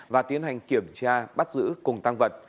và tiến hành kiểm tra bắt giữ cùng tăng vật